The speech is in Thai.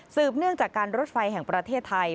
เนื่องจากการรถไฟแห่งประเทศไทย